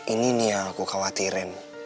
ini nih yang aku khawatirin